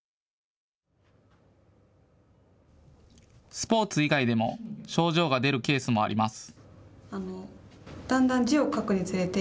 スポーツ以外でも症状が出るケースもあります。